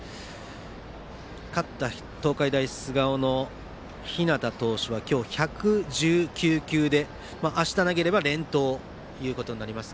勝った東海大菅生の日當投手は今日１１９球であした投げれば連投となります。